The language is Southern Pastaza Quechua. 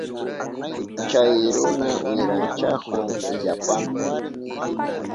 Chay runa wiranchahun illapanta.